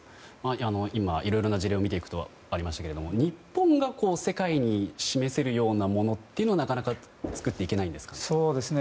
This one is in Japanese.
今、いろいろな事例を見ていくとありましたが日本が世界に示せるようなものというのはなかなか作っていけないんですか？